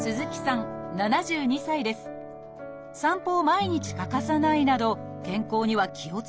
散歩を毎日欠かさないなど健康には気をつけて暮らしてきました。